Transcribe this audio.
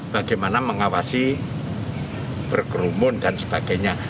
bagaimana mengawasi berkerumun dan sebagainya